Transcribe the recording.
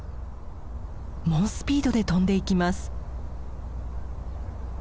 猛スピードで飛んでいきます。